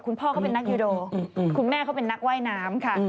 พ่อเขาเป็นนักยูโดคุณแม่เขาเป็นนักว่ายน้ำค่ะ